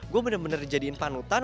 gue bener bener jadiin panutan